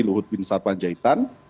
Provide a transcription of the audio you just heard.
luhut bin sarpanjaitan